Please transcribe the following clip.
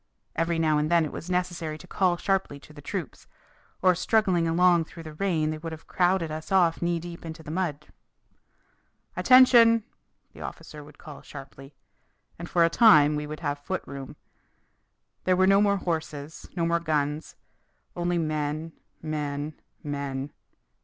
Every now and then it was necessary to call sharply to the troops, or struggling along through the rain they would have crowded us off knee deep into the mud. "Attention!" the officer would call sharply. And for a time we would have foot room. There were no more horses, no more guns only men, men, men.